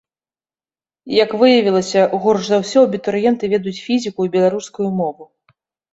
Як выявілася, горш за ўсё абітурыенты ведаюць фізіку і беларускую мову.